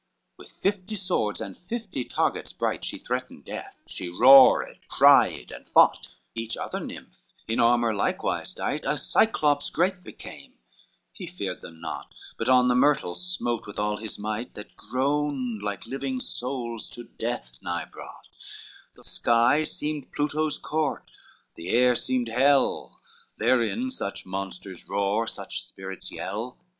XXXVI With fifty swords, and fifty targets bright, She threatened death, she roared, cried and fought, Each other nymph in armor likewise dight, A Cyclops great became: he feared them naught, But on the myrtle smote with all his might, That groaned like living souls to death nigh brought, The sky seemed Pluto's court, the air seemed hell, Therein such monsters roar, such spirits yell.